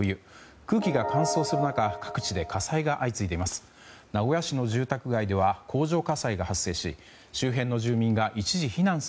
空気が乾燥する中各地で火災が相次いでいます。